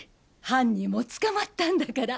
犯人も捕まったんだから。